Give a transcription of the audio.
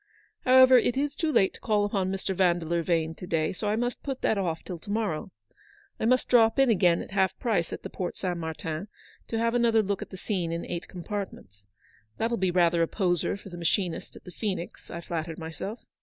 However, it is too late to call upon Mr. Vandeleur Vane to day, so I must put that off till to morrow. I must drop in again at half price at the Porte Saint Martin, to have another look at the scene in eight compartments. That'll THE BLACK BUILDING BY THE RIVER. 125 be rather a poser for the machinist at the Phoenix,, I flatter myself.